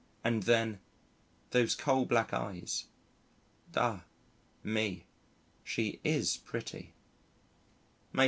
And then: those coal black eyes. Ah! me, she is pretty. May 2.